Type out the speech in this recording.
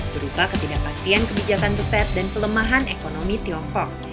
berupa ketidakpastian kebijakan the fed dan pelemahan ekonomi tiongkok